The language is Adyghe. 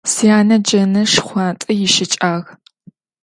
Сянэ джэнэ шхъуантӏэ ищыкӏагъ.